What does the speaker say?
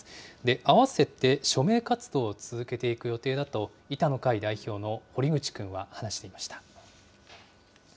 併せて署名活動を続けていく予定だと、板の会代表の堀口君は話していました。